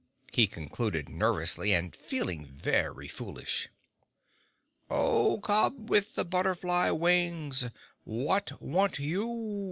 he concluded nervously, and feeling very foolish. "O cubs with the butterfly wings! What want you?"